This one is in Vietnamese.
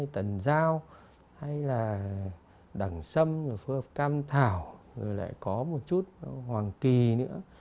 tạo hay là đẳng sâm phù hợp cam thảo rồi lại có một chút hoàng kỳ nữa